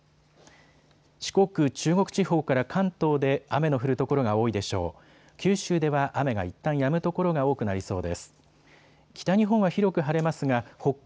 四国、中国地方から関東で雨の降る所が多いでしょう。